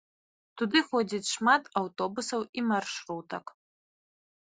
Туды ходзіць шмат аўтобусаў і маршрутак.